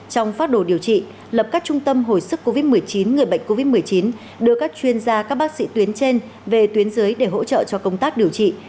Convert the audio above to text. trong phát đồ điều trị lập các trung tâm hồi sức covid một mươi chín người bệnh covid một mươi chín đưa các chuyên gia các bác sĩ tuyến trên về tuyến dưới để hỗ trợ cho công tác điều trị